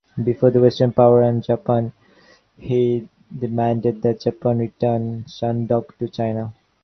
Before the Western powers and Japan, he demanded that Japan return Shandong to China.